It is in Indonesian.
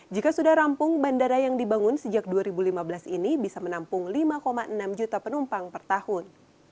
jika sudah rampung bandara yang dibangun sejak dua ribu lima belas ini bisa menampung lima enam juta penumpang per tahun